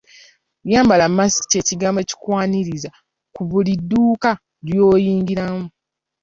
Yambala masiki kye kigambo ekikwaniriza ku buli dduuka lw'oyingira mu.